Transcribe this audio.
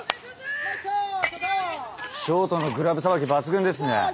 ショートのグラブさばき抜群ですね。